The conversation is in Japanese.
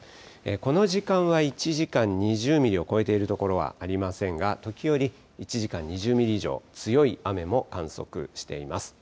この時間は１時間２０ミリを超えている所はありませんが、時折、１時間２０ミリ以上、強い雨も観測しています。